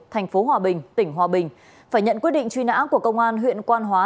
thành phố hòa bình tỉnh hòa bình phải nhận quyết định truy nã của công an huyện quan hóa